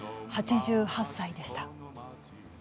８８歳でした。